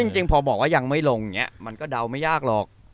จริงพอบอกว่ายังไม่ลงมันก็เดาไม่ยากหรอก